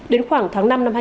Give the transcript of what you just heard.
đến khoảng tháng năm năm